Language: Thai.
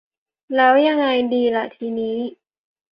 แล้วยังไงดีล่ะทีนี้